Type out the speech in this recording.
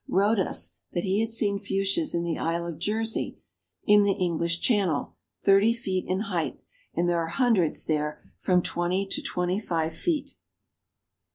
wrote us that he had "seen Fuchsias in the Isle of Jersey, in the English Channel, thirty feet in height, and there are hundreds there from twenty to twenty five feet."